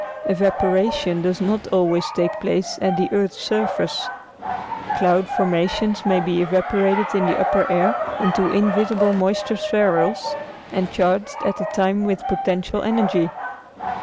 Evaporation does not always take place at the earth's surface. Cloud formations may be evaporated in the upper air into invisible moisture spherules, and charged at the time with potential energy.